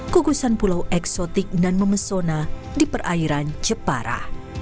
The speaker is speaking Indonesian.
kugusan pulau eksotik dan memesona di perairan jepara